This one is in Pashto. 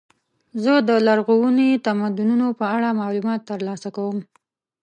زه د لرغونو تمدنونو په اړه معلومات ترلاسه کوم.